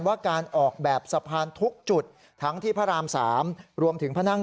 ว่าการออกแบบสะพานทุกจุดทั้งที่พระราม๓รวมถึงพระนั่ง